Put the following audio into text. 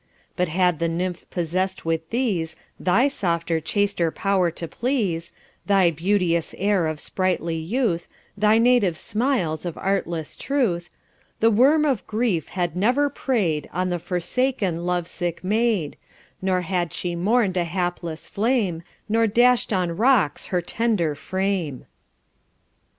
2 But had the nymph possess'd with these Thy softer, chaster power to please, Thy beauteous air of sprightly youth, Thy native smiles of artless truth 3 The worm of grief had never prey'd On the forsaken love sick maid; Nor had she mourn'd a hapless flame, Nor dash'd on rocks her tender frame.